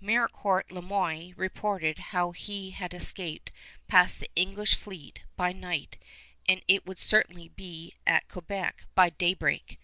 Maricourt Le Moyne reported how he had escaped past the English fleet by night, and it would certainly be at Quebec by daybreak.